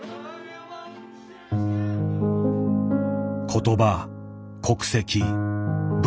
言葉国籍文化。